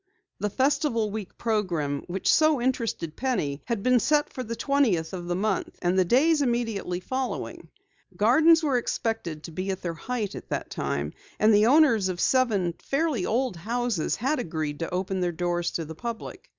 The Festival Week program which so interested Penny had been set for the twentieth of the month and the days immediately following. Gardens were expected to be at their height at that time, and the owners of seven fairly old houses had agreed to open their doors to the public.